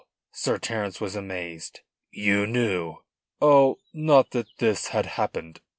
Sir Terence was amazed. "You knew?" "Oh, not that this had happened.